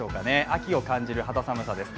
秋を感じる肌寒さです。